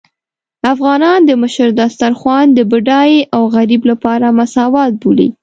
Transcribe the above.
افغانان د مشر دسترخوان د بډای او غريب لپاره مساوات بولي.